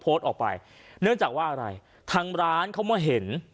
โพสต์ออกไปเนื่องจากว่าอะไรทางร้านเขามาเห็น